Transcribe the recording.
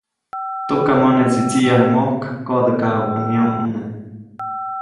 Tukamoneʼtsi tsiʼyaju mojk koʼdäjkajuʼk ʼäj nyomʼune.